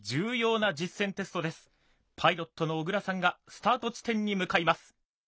パイロットの小倉さんがスタート地点に向かいます。